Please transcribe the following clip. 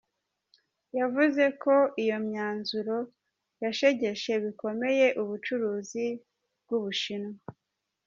Yavuze ko iyo myanzuro yashegeshe bikomeye ubucuruzi bw’u Bushinwa.